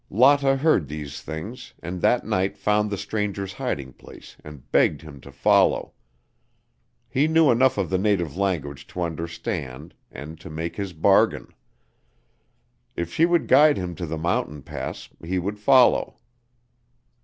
Lotta heard these things and that night found the stranger's hiding place and begged him to follow. He knew enough of the native language to understand and to make his bargain. If she would guide him to the mountain pass, he would follow.